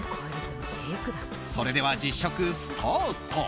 それでは実食スタート！